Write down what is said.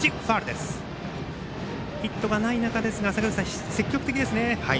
ヒットがない中ですが坂口さん、積極的ですね。